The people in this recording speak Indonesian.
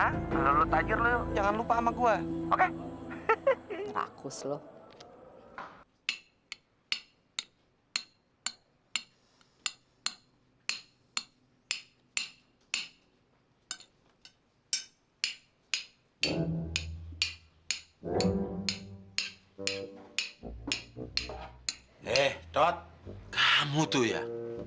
kalau lu tajir lu jangan lupa sama gua